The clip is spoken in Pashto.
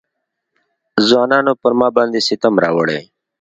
ځوانانو پر ما باندې ستم راوړی.